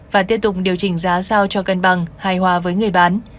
và tiếp tục điều chỉnh giá sao cho cân bằng hài hòa với người bán